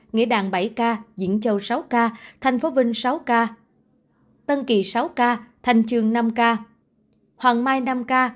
nghệ đàn bảy ca diễn châu sáu ca tp vinh sáu ca tân kỳ sáu ca thành trường năm ca hoàng mai năm ca